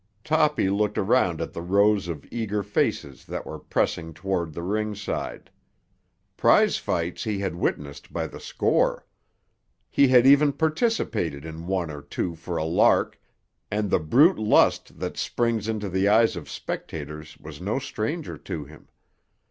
Toppy looked around at the rows of eager faces that were pressing toward the ringside. Prize fights he had witnessed by the score. He had even participated in one or two for a lark, and the brute lust that springs into the eyes of spectators was no stranger to him.